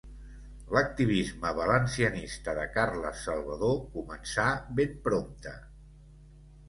L'activisme valencianista de Carles Salvador començà ben prompte.